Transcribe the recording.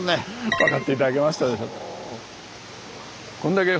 分かって頂けましたでしょうか。